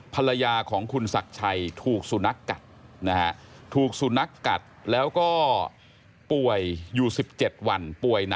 ภรรยาของคุณศักดิ์ชัยถูกสุนัขกัดนะฮะถูกสุนัขกัดแล้วก็ป่วยอยู่๑๗วันป่วยหนัก